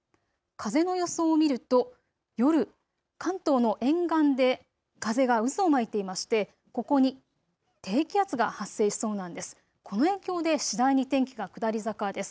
風の予想を見ると夜、関東の沿岸で風が渦を巻いていまして、ここに低気圧が発生しそうなんです。